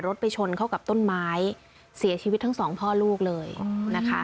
ไปชนเข้ากับต้นไม้เสียชีวิตทั้งสองพ่อลูกเลยนะคะ